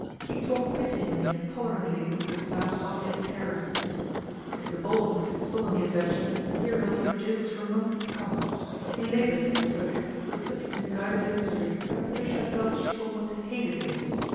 He talked pityingly and tolerantly of Gustave's obvious terror. Mr. Bolton saw in the adventure material for jokes for months to come. He laboured at the subject with such misguided industry that Patricia felt she almost hated him.